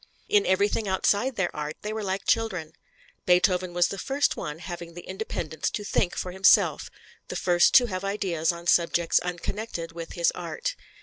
In everything outside their art they were like children. Beethoven was the first one having the independence to think for himself the first to have ideas on subjects unconnected with his art.